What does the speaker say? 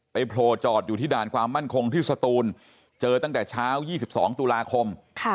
โผล่จอดอยู่ที่ด่านความมั่นคงที่สตูนเจอตั้งแต่เช้า๒๒ตุลาคม